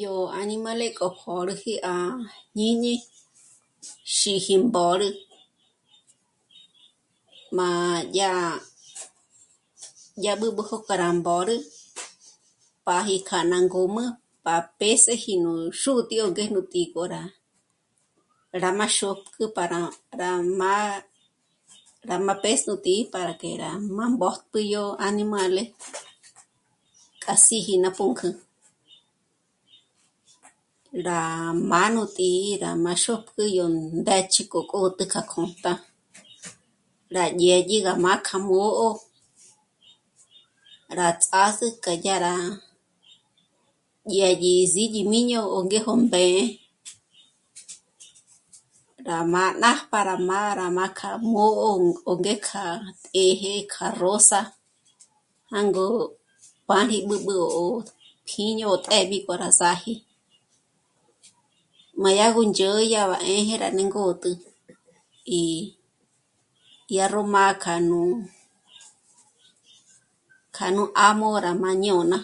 Yó añímale k'o jôrüji à jñíñi, xíji mbôrü. Má yá... yá jök'ü rá mbôrü páji k'a ná ngǔm'ü pa pés'eji nú xútǐ'i ó ngéjnú tǐ'i k'o rá, rá má xôpk'ü para rá má'a, rá má pés' nú tǐ'i para que rá má mbójtü yó añimále k'a síji ná pǔnk'ü. Rá má'a nú tǐ'i rá má xôpk'ü nú ndë́ch'i k'o kôtju k'a kjṓta yá dyédyi gá má kjâ'a mò'o rá ts'ázu k'a ná yá rá dyédyi síñi jmíño ó ngéjo mbé'e, rá má nápja mâ'a rá májkü mò'o ó ngék'a të́jë kja rósa jângo páji b'ǚb'ü ó tjíño té'b'i k'o rá s'áji. Má yá go ndzhǘ'ü rá më̌jë rá ngót'ü í dyá ró má'a k'a nú, k'a nú ámo rá má ñôna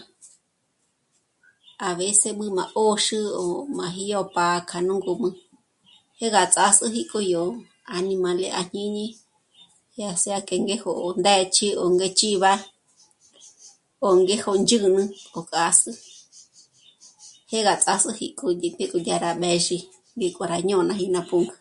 a veces bǘ' má 'ö̀xü ó má jyó bá'a k'a nú ngǔm'ü, jé gá ts'ás'üji k'o yó añimále à jñíñi ya sea que ngéjo ndë́ch'i, ó ngé chíva, ó ngéjo ndzhǚnü o k'as'ü, jé gá ts'ás'üji k'o yó ngék'o dyá rá mbézhi ngík'o rá jñônaji ná pǔnk'ü